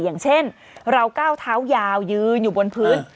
อย่างเช่นเราก้าวเท้ายาวยืนอยู่บนพื้น